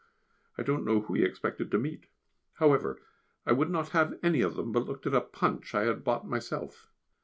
I don't know who he expected to meet. However, I would not have any of them, but looked at a Punch I had bought myself.